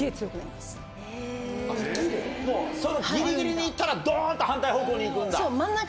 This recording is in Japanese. そのギリギリに行ったらドン！と反対方向に行くんだ？